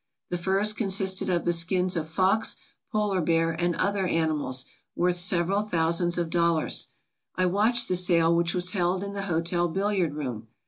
The furs consisted of the skins of fox, polar bear, and other animals, worth several thousands of dollars. I watched the sale which was held in the hotel billiard room.